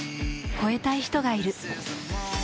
超えたい人がいる。